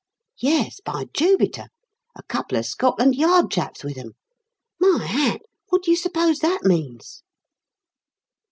yes, by Jupiter! a couple of Scotland Yard chaps with 'em. My hat! what do you suppose that means?"